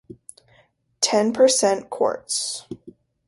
Ten Per Cent Quartz.